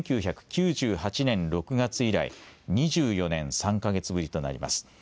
１９９８年６月以来、２４年３か月ぶりとなります。